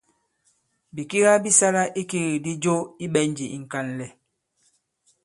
Bìkiga bi sala ikigikdi jo i ɓɛ̀njì ì ŋ̀kànlɛ̀.